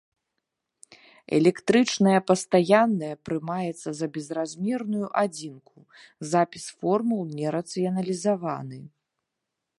Электрычная пастаянная прымаецца за безразмерную адзінку, запіс формул не рацыяналізаваны.